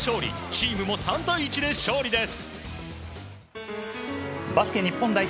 チームも３対１で勝利です。